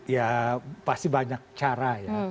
ya pasti banyak cara ya